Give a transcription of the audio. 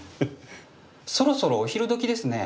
そろそろお昼どきですね。